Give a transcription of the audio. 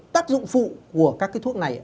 tác dụng phụ của các thuốc này